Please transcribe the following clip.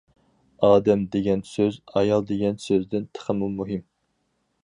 ‹‹ ئادەم›› دېگەن سۆز‹‹ ئايال›› دېگەن سۆزدىن تېخىمۇ مۇھىم.